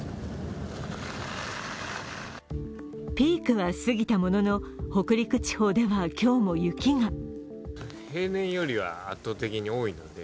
ピークは過ぎたものの北陸地方では今日も雪が。